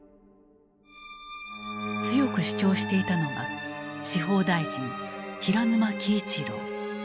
強く主張していたのが司法大臣・平沼騏一郎。